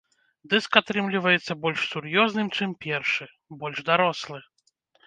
Дыск атрымліваецца больш сур'ёзным, чым першы, больш дарослы.